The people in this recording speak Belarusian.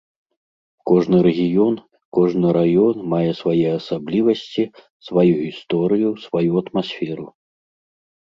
Кожны рэгіён, кожны раён мае свае асаблівасці, сваю гісторыю, сваю атмасферу.